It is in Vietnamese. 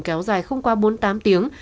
kéo dài không qua bốn mươi tám tiếng